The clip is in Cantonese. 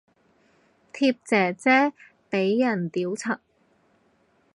貼姐姐俾人屌柒